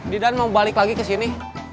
didan mau balik lagi ke sini